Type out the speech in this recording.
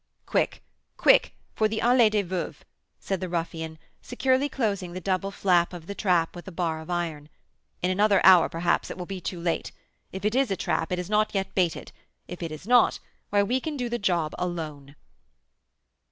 "Quick, quick, for the Allée des Veuves!" said the ruffian, securely closing the double flap of the trap with a bar of iron. "In another hour, perhaps, it will be too late. If it is a trap, it is not yet baited; if it is not, why, we can do the job alone."